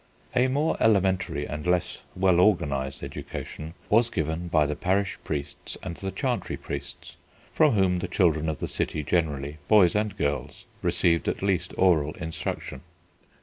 A more elementary and less well organised education was given by the parish priests and the chantry priests, from whom the children of the city generally, boys and girls, received at least oral instruction.